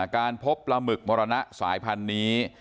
การพบปลาหมึกมรณะสายพันธุ์นี้